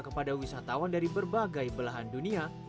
kepada wisatawan dari berbagai belahan dunia